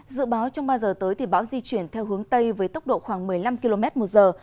dự báo trong ba giờ tới thì bão di chuyển theo hướng tây với tốc độ khoảng một mươi năm km một giờ